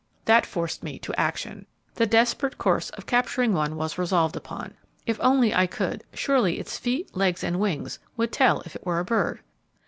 That forced me to action. The desperate course of capturing one was resolved upon. If only I could, surely its feet, legs, and wings would tell if it were a bird.